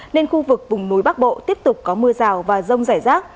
nên khu vực vùng núi bắc bộ tiếp tục có mưa rào và rông rải rác